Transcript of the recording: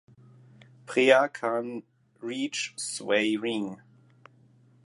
Preah Khan Reach Svay Rieng